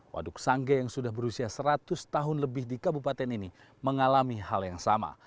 waduk sangge yang sudah berusia seratus tahun lebih di kabupaten ini mengalami hal yang sama